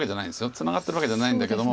ツナがってるわけじゃないんだけども。